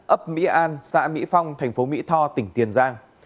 ấp mỹ an xã mỹ phong thành phố mỹ tho tỉnh tiền giang